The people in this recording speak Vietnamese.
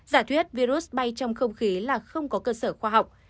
giả thuyết virus bay trong không khí là không có cơ sở khoa học